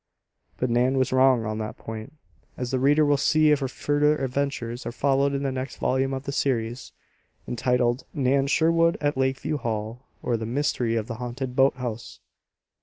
But Nan was wrong on that point, as the reader will see if her further adventures are followed in the next volume of the series, entitled, "Nan Sherwood at Lakeview Hall, or, The Mystery of the Haunted Boathouse."